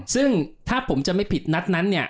ซึ่งถ้าผมจะไม่ผิดนัดนั้นเนี่ย